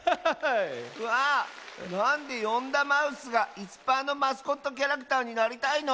わあなんでヨンダマウスがいすパーのマスコットキャラクターになりたいの？